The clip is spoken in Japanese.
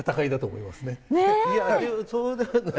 いやそうではない。